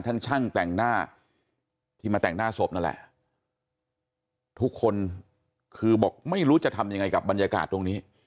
ช่างแต่งหน้าที่มาแต่งหน้าศพนั่นแหละทุกคนคือบอกไม่รู้จะทำยังไงกับบรรยากาศตรงนี้